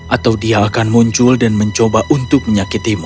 atau dia akan muncul dan mencoba untuk menyakitimu